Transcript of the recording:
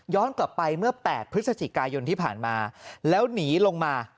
กลับไปเมื่อ๘พฤศจิกายนที่ผ่านมาแล้วหนีลงมา